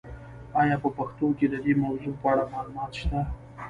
آیا په پښتو کې د دې موضوع په اړه معلومات شته؟